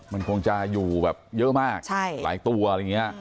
มันคงจะอยู่แบบเยอะมากหลายตัวอะไรอย่างนี้